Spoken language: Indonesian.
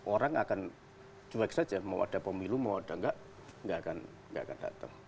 orang akan cuek saja mau ada pemilu mau ada nggak akan datang